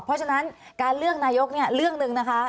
เพราะฉะนั้นการเลือกนายกเนี่ยเรื่องหนึ่งนะคะ